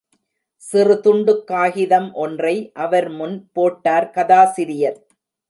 சிறு துண்டுக் காகிதம் ஒன்றை அவர் முன் போட்டார் கதாசிரியர்.